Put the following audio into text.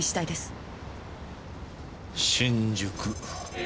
新宿。